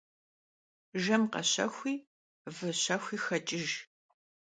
Jjem kheşexui vı şexui xeç'ıjj.